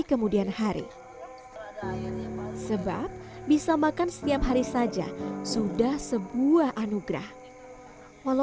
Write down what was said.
harus athlete mungkin saya jadi aktif di diial